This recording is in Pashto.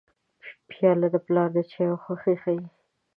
پیاله د پلار د چایو خوښي ښيي.